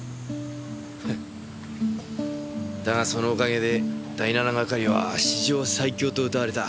フッだがそのおかげで第７係は史上最強とうたわれた。